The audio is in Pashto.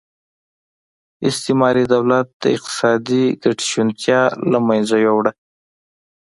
استعماري دولت د اقتصادي ګټې شونتیا له منځه یووړه.